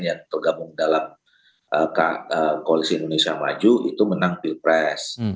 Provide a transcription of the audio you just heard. yang tergabung dalam koalisi indonesia maju itu menang pilpres